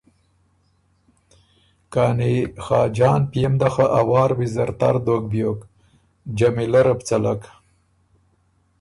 کانی خاجان پئے م ده خه ا وار ویزر تر دوک بیوک، چمیلۀ ره بو څلک